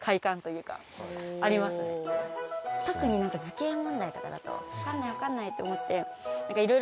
こういう。とかだと分かんない分かんないと思って。